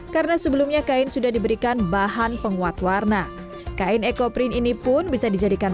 karena sebelumnya kain sudah diberikan bahan penguat warna kain ekoprin ini pun bisa dijadikan